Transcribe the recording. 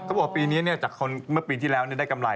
บอกว่าปีนี้จากคนเมื่อปีที่แล้วได้กำไร